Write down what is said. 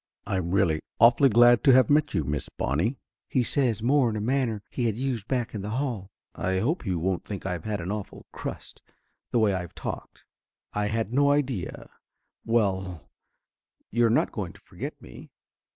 "I'm really awfully glad to have met you, Miss Bonnie," he says, more in the manner he had used back in the hall. "I hope you won't think I've had an awful crust, the way I've talked. I had no idea well you are not going to forget me?"